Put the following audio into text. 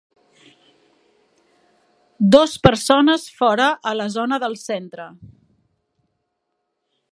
Dos persones fora a la zona del centre.